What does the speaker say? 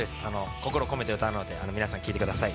心を込めて歌うので聴いてください。